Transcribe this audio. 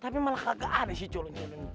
tapi malah kagak ada si colonya